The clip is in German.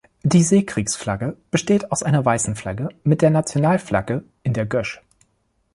Die Seekriegsflagge besteht aus einer weißen Flagge mit der Nationalflagge in der Gösch.